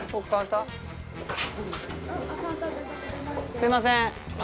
すいません。